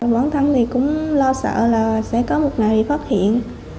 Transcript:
bản thắng thì cũng lo sợ là sẽ có một ngày bị phát hiện